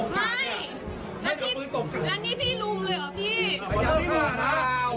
มันเกินไปมั้ย